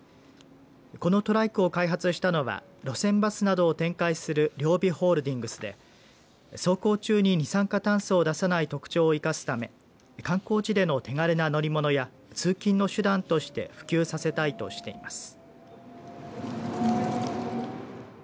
このトライクを開発したのは路線バスなどを展開する両備ホールディングスで走行中に二酸化炭素を出さない特徴を生かすため観光地での手軽な乗り物や通勤の手段として普及させたいとしています。